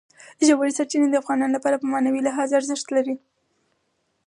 ژورې سرچینې د افغانانو لپاره په معنوي لحاظ ارزښت لري.